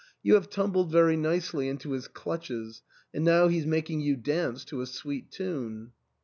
You have tumbled very nicely in to his clutches, and now he's making you dance to a sweet tune."